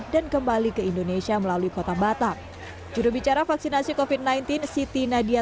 dan kembali ke indonesia melalui kota batam judul bicara vaksinasi covid sembilan belas siti nadia